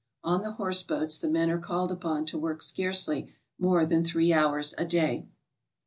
On the horse boats the men are called upon to work scarcely more than three hours a day.